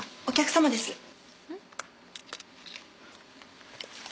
お客様です。